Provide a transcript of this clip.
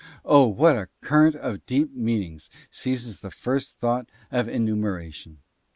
Oh ! what a current of deep meanings seizes the first thought of enu meration